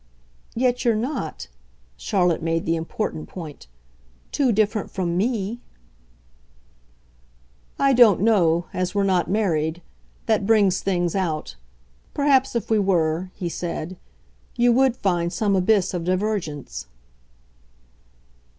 "Yet you're not" Charlotte made the important point "too different from ME." "I don't know as we're not married. That brings things out. Perhaps if we were," he said, "you WOULD find some abyss of divergence."